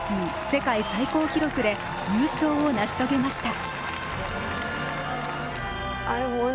世界最高記録で優勝を成し遂げました。